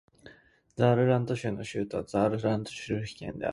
ザールラント州の州都はザールブリュッケンである